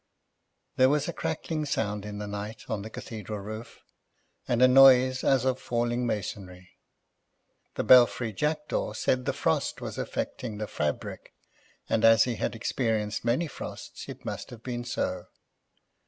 There was a crackling sound in the night on the Cathedral roof and a noise as of falling masonry. The belfry jackdaw said the frost was affecting the fabric, and as he had experienced many frosts it must have been so.